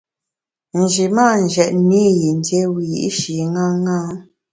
Nji mâ njètne i yin dié wiyi’shi ṅaṅâ.